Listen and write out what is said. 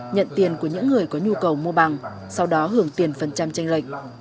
nhận tiền của những người có nhu cầu mua bằng sau đó hưởng tiền phần trăm tranh lệnh